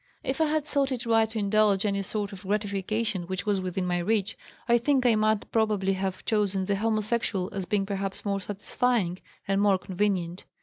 If I had thought it right to indulge any sort of gratification which was within my reach I think I might probably have chosen the homosexual as being perhaps more satisfying and more convenient.